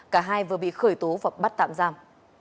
cả hai vừa bị khởi tố và bắt tạm giam